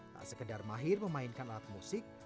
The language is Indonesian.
tak sekedar mahir memainkan alat musik